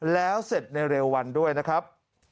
แล้วเสร็จในเร็ววันด้วยนะครับ